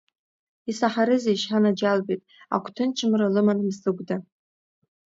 Исаҳарызеишь, анаџьалбеит, агәҭынчымра лыман Мсыгәда.